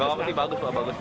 bagus pak bagus